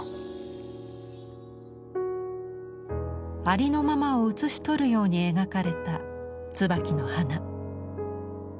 ありのままを写し取るように描かれた椿の花。